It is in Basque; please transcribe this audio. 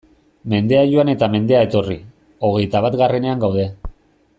Mendea joan eta mendea etorri, hogeita batgarrenean gaude!